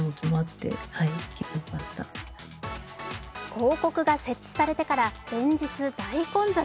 広告が設置されてから連日大混雑。